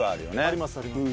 ありますあります。